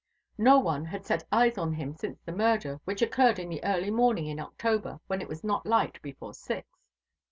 No one had set eyes on him since the murder, which occurred in the early morning in October, when it is not light before six.